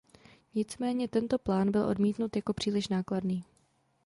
Nicméně tento plán byl odmítnut jako příliš nákladný.